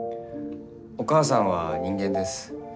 お母さんは人間です。